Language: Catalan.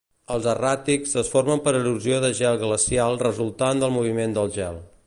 Els erràtics es formen per erosió de gel glacial resultant del moviment del gel.